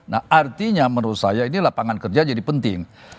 nah artinya menurut saya ini lapangan kerja jadi penting